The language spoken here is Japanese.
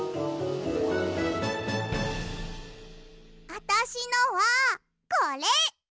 あたしのはこれ！